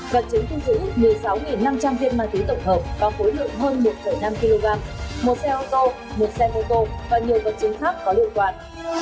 vật chứng thu giữ một mươi sáu năm trăm linh viên ma túy tổng hợp có khối lượng hơn một năm kg một xe ô tô một xe mô tô và nhiều vật chứng khác có liên quan